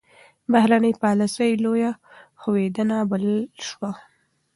بهرنۍ پالیسي لویه ښوېېدنه بلل شوه.